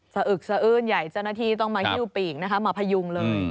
สะอึกสะอื่นใหญ่เจ้าหน้าที่ต้องมาฮิวปิ่งมาพยุงเลย